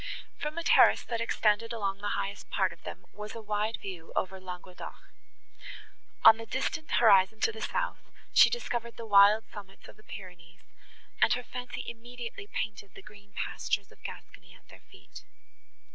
From a terrace, that extended along the highest part of them, was a wide view over Languedoc. On the distant horizon to the south, she discovered the wild summits of the Pyrenees, and her fancy immediately painted the green pastures of Gascony at their feet.